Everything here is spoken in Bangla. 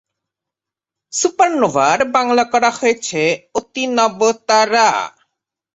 সুপারনোভার বাংলা করা হয়েছে অতিনবতারা।